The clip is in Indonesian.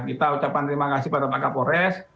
kita ucapkan terima kasih kepada pak pores